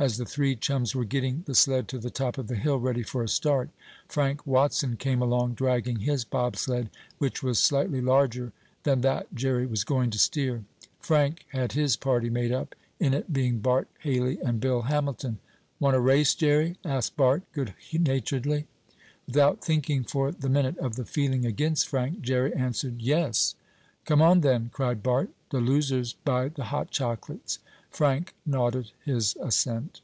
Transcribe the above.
As the three chums were getting the sled to the top of the hill ready for a start, Frank Watson came along dragging his bobsled, which was slightly larger than that Jerry was going to steer. Frank had his party made up, in it being Bart Haley and Bill Hamilton. "Want a race, Jerry?" asked Bart, good naturedly. Without thinking, for the minute, of the feeling against Frank, Jerry answered: "Yes!" "Come on then!" cried Bart. "The losers buy the hot chocolates!" Frank nodded his assent.